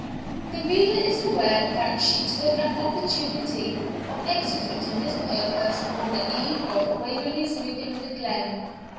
The reader is aware that she took an opportunity of executing this purpose on the eve of Waverley's leaving the glen.